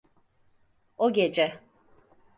O gece.